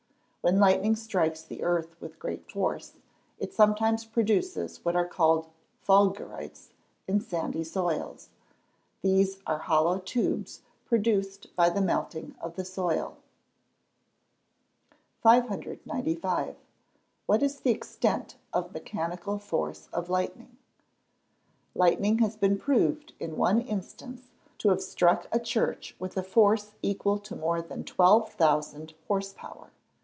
When lightning strikes the earth with great force, it sometimes produces what are called fulgurites in sandy soils; these are hollow tubes, produced by the melting of the soil. 595. What is the extent of mechanical force of lightning? Lightning has been proved, in one instance, to have struck a church with a force equal to more than 12,000 horse power.